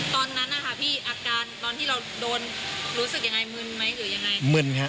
ตอนนั้นนะคะพี่อาการตอนที่เราโดนรู้สึกยังไงมึนไหมหรือยังไงมึนค่ะ